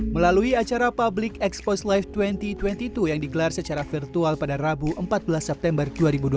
melalui acara public expose live dua ribu dua puluh dua yang digelar secara virtual pada rabu empat belas september